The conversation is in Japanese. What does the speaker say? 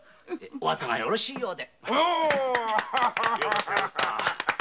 お後がよろしいようで。